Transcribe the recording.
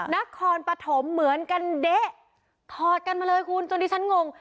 นครปฐมเหมือนกันเด๊ะถอดกันมาเลยคุณจนที่ฉันงง